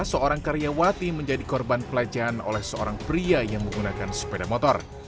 seorang karyawati menjadi korban pelecehan oleh seorang pria yang menggunakan sepeda motor